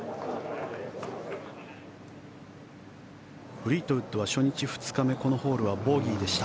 フリートウッドは初日、２日目このホールはボギーでした。